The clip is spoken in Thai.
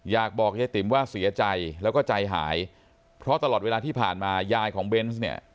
บอกยายติ๋มว่าเสียใจแล้วก็ใจหายเพราะตลอดเวลาที่ผ่านมายายของเบนส์เนี่ย